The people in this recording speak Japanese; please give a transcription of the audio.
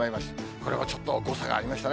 これもちょっと誤差がありましたね。